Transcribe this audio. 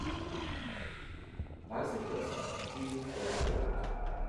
Bicyclists competing for the gold.